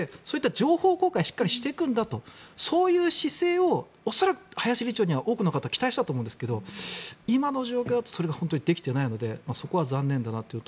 情報公開をしっかりしていくんだとそういう姿勢を林理事長に多くの方は期待したと思うんですが今の状況だとそれができていないのでそこは残念だなと。